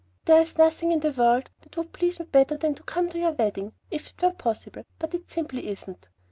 There is nothing in the world that would please me better than to come to your wedding if it were possible, but it simply isn't.